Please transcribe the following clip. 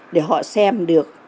để họ xem được